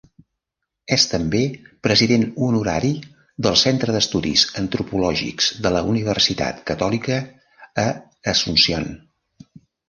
És també president honorari del Centre d'Estudis Antropològics de la Universitat Catòlica a Asunción.